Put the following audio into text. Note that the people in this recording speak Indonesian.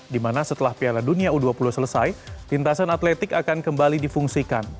dimana setelah piala dunia u dua puluh selesai lintasan atletik akan kembali difungsikan